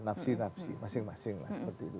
nafsi nafsi masing masing lah seperti itu